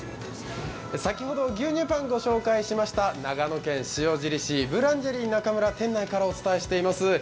先ほど牛乳パン御紹介しました、長野県のブーランジェリーナカムラ店内からお伝えしています。